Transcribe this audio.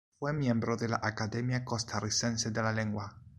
Fue miembro de la Academia Costarricense de la Lengua.